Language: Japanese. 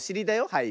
はい。